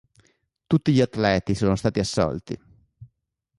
Tutti gli atleti sono stati assolti.